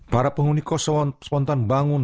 para penghuni koso spontan bangun